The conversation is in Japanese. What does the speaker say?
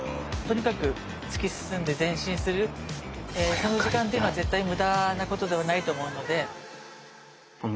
その時間っていうのは絶対無駄なことではないと思うので。